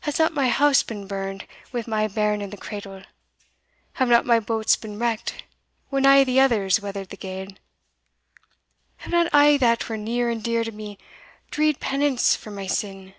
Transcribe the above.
Has not my house been burned, wi' my bairn in the cradle? Have not my boats been wrecked, when a' others weather'd the gale? Have not a' that were near and dear to me dree'd penance for my sin?